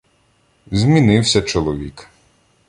Змінився чоловік.